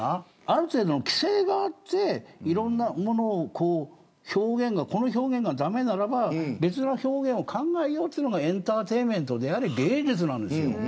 ある程度の規制があってこの表現が駄目ならば別の表現を考えようというのがエンターテインメントであり芸術なんですよ。